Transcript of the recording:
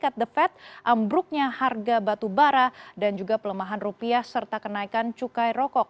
the fed ambruknya harga batu bara dan juga pelemahan rupiah serta kenaikan cukai rokok